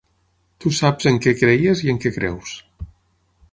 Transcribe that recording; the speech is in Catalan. Tu saps en què creies i en què creus.